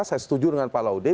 saya setuju dengan pak laude